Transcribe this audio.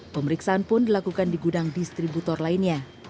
pemeriksaan pun dilakukan di gudang distributor lainnya